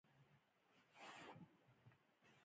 د هامون جهیلونه کله کله وچیږي